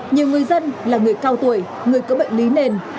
nhiều người dân là người cao tuổi người có bệnh lý nền